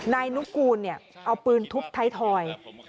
นายนุกูลเอาปืนทุบไทยทอย